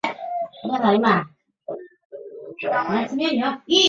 圣武天皇。